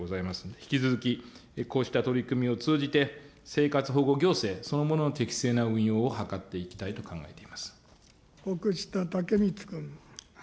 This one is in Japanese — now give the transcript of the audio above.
引き続き、こうした取り組みを通じて、生活保護行政そのものの適正な運用を図っていきたいと考えていま奥下剛光君。